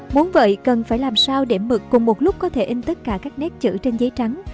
muốn vậy cần phải làm sao để mực cùng một lúc có thể in tất cả các nét chữ trên giấy trắng